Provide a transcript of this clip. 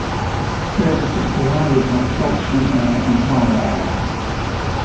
Service is provided by Saltspring Air and Harbour Air.